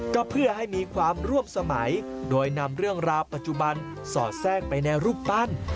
ก็เพื่อให้มีความร่วมสมัยโดยนำเรื่องราวปัจจุบันสอดแทรกไปในรูปปั้น